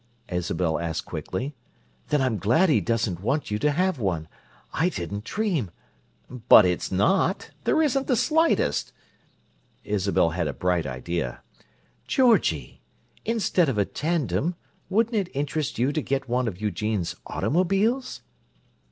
Isabel asked quickly. "Then I'm glad he doesn't want you to have one. I didn't dream—" "But it's not. There isn't the slightest—" Isabel had a bright idea. "Georgie! Instead of a tandem wouldn't it interest you to get one of Eugene's automobiles?"